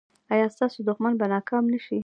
ایا ستاسو دښمن به ناکام نه شي؟